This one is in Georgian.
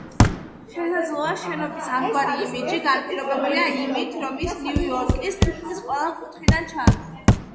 შესაძლოა შენობის ამგვარი იმიჯი განპირობებულია იმით, რომ ის ნიუ-იორკის თითქმის ყველა კუთხიდან ჩანს.